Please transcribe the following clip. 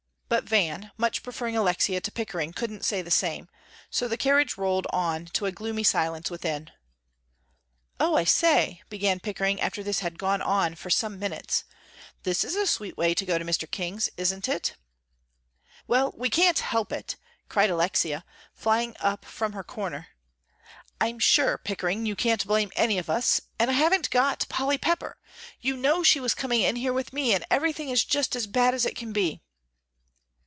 But Van, much preferring Alexia to Pickering, couldn't say the same, so the carriage rolled on to a gloomy silence within. "Oh, I say," began Pickering, after this had gone on for some minutes, "this is a sweet way to go to Mr. King's, isn't it?" "Well, we can't help it," cried Alexia, flying up from her corner; "I'm sure, Pickering, you can't blame any of us. And I haven't got Polly Pepper; you know she was coming in here with me, and everything is just as bad as it can be."